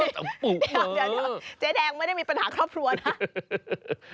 เดี๋ยวเจ๊แดงไม่ได้มีปัญหาครอบครัวนะ